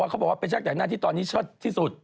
เขาพูดว่าช่างแต่งหน้าที่ตอนนี้ชัดที่สุด